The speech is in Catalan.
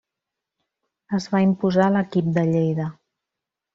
Es va imposar l'equip de Lleida.